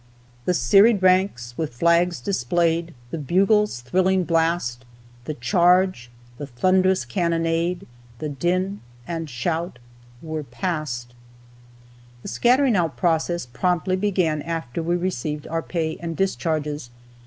"The serried ranks, with flags displayed, The bugle's thrilling blast, The charge, the thund'rous cannonade, The din and shout were past." The scattering out process promptly began after we received our pay and discharges.